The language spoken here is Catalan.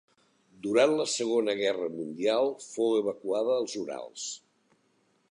Durant la Segona Guerra Mundial fou evacuada als Urals.